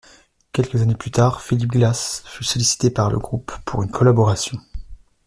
Quelques années plus tard, Philip Glass fut sollicité par le groupe pour une collaboration.